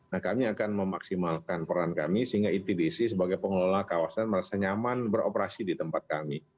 nah kami akan memaksimalkan peran kami sehingga itdc sebagai pengelola kawasan merasa nyaman beroperasi di tempat kami